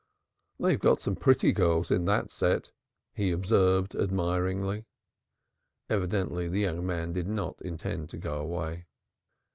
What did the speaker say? "They've got some pretty girls in that set," he observed admiringly. Evidently the young man did not intend to go away.